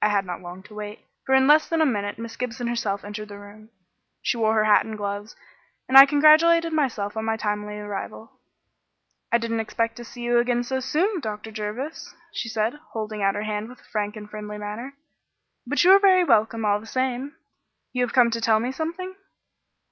I had not long to wait, for in less than a minute Miss Gibson herself entered the room. She wore her hat and gloves, and I congratulated myself on my timely arrival. "I didn't expect to see you again so soon, Dr. Jervis," she said, holding out her hand with a frank and friendly manner, "but you are very welcome all the same. You have come to tell me something?"